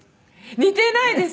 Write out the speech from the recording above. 似てないです。